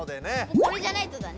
これじゃないとだね。